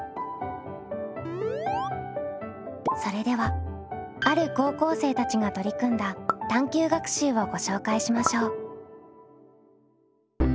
それではある高校生たちが取り組んだ探究学習をご紹介しましょう。